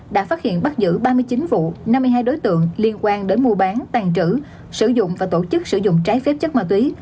đã phát hiện bắt giữ ba mươi chín vụ năm mươi hai đối tượng liên quan đến mua bán tàn trữ sử dụng và tổ chức sử dụng trái phép chất ma túy